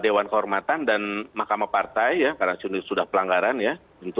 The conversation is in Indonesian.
dewan kehormatan dan mahkamah partai ya karena sudah pelanggaran ya